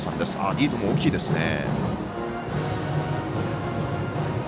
リードも大きいですね。